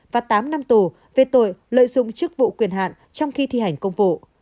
và tám năm tù về tội lợi dụng chức vụ quyền hạn trong khi thi hành công vụ